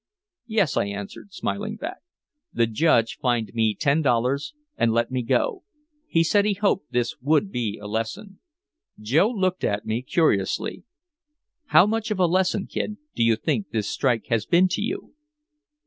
"Yes," I answered, smiling back. "The Judge fined me ten dollars and let me go. He said he hoped this would be a lesson." Joe looked at me curiously: "How much of a lesson, Kid, do you think this strike has been to you?"